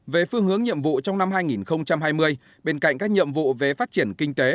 về phương hướng nhiệm vụ trong năm hai nghìn hai mươi bên cạnh các nhiệm vụ về phát triển kinh tế